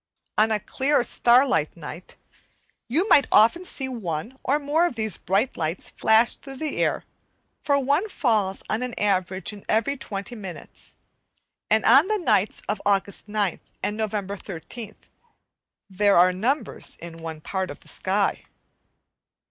On a clear starlight night you may often see one or more of these bright lights flash through the air; for one falls on an average in every twenty minutes, and on the nights of August 9th and November 13th there are numbers in one part of the sky.